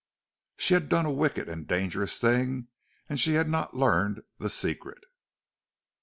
She had done a wicked and dangerous thing, and she had not learned the secret.